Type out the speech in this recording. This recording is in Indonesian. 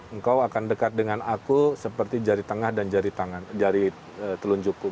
engkau akan dekat dengan aku seperti jari tengah dan jari telunjukku